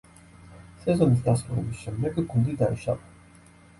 სეზონის დასრულების შემდეგ გუნდი დაიშალა.